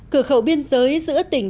cửa khẩu biên giới giữa tỉnh